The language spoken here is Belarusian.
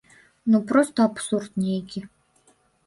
Ну, проста абсурд нейкі.